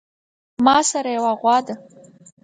ماسره يوه غوا ده